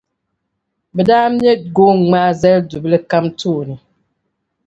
bɛ daa me goon’ ŋmaa zali du’ bila kam tooni.